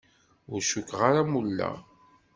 Ur cukkeɣ ara mulleɣ.